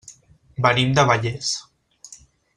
Venim de Vallés.